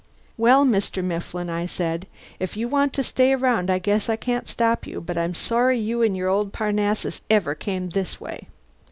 "Well, Mr. Mifflin," I said, "if you want to stay around I guess I can't stop you. But I'm sorry you and your old Parnassus ever came this way."